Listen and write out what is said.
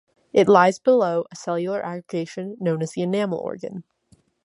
It lies below a cellular aggregation known as the enamel organ.